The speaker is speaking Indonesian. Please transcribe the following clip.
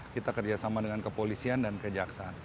kita kerjasama dengan kepolisian dan kejaksaan